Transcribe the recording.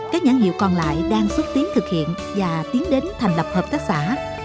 các nhãn hiệu còn lại đang xuất tiến thực hiện và tiến đến thành lập hợp tác xã